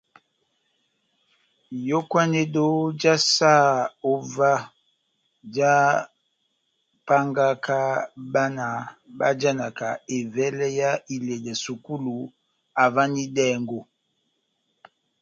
Iyókwanedo já saha óvah jahápángaka bána bájanaka evɛlɛ yá iledɛ sukulu havanidɛngo.